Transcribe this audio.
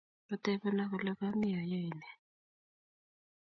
Katebenaa kole kami ayae ne?